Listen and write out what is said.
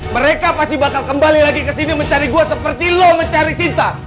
mereka pasti bakal kembali lagi kesini mencari gue seperti lo mencari sinta